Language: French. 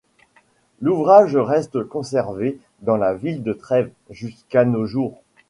L'ouvrage reste conservé dans la ville de Trève jusqu'à nos jours.